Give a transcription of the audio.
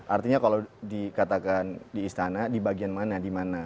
artinya kalau dikatakan diistana di bagian mana di mana